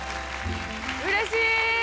うれしい！